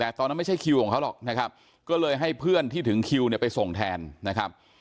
แต่ตอนนั้นไม่ใช่คิวของเขาหรอกนะครับก็เลยให้เพื่อนที่ถึงคิวเนี่ยไปส่งแทนนะครับ